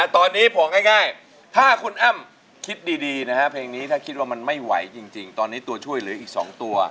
ตอนนี้บอกง่ายถ้าคุณอ้ำคิดดีนะฮะเพลงนี้ถ้าคิดว่ามันไม่ไหวจริงตอนนี้ตัวช่วยเหลืออีก๒ตัว